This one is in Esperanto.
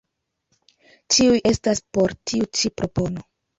Ĉiuj estas por tiu ĉi propono.